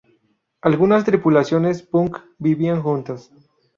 Algunas 'tripulaciones' punk vivían juntas.